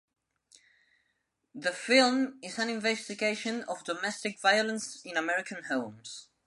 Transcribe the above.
The film is an investigation of domestic violence in American homes.